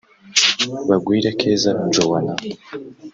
Bagwire Keza Joanah